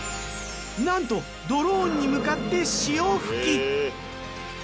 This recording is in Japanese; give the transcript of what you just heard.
なんとドローンに向かって潮吹き。